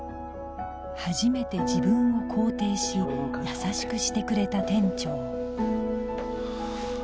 初めて自分を肯定し優しくしてくれた店長